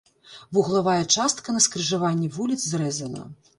Вуглавая частка на скрыжаванні вуліц зрэзана.